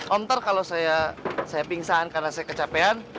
om nanti kalau saya pingsan karena saya kecapean